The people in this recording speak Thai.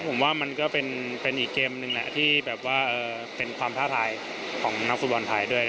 ผมว่ามันก็เป็นอีกเกมหนึ่งแหละที่แบบว่าเป็นความท้าทายของนักฟุตบอลไทยด้วย